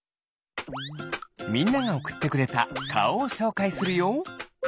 みんながおくってくれたかおをしょうかいするよ。